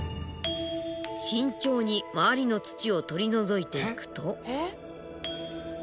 慎重に周りの土を取り除いていくと。